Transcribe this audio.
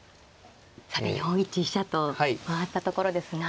さて４一飛車と回ったところですが。